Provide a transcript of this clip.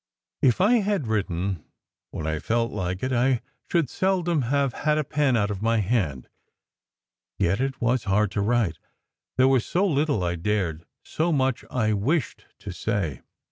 If I had written when I felt like it, I should seldom have had a pen out of my hand; yet it was hard to write. There was so little I dared, so much I wished, to say.